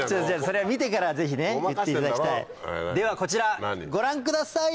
それは見てからぜひ言っていただきたいではこちらご覧ください！